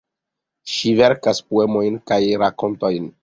Ŝi verkas poemojn kaj rakontojn.